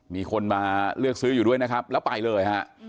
มีคนมาเลือกซื้ออยู่ด้วยนะครับแล้วไปเลยฮะ